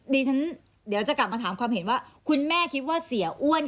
ฉันเดี๋ยวจะกลับมาถามความเห็นว่าคุณแม่คิดว่าเสียอ้วน